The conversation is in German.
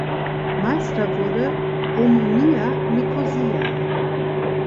Meister wurde Omonia Nikosia.